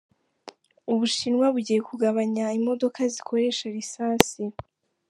Ubushinwa bugiye kugabanya imodoka zikoresha lisansi.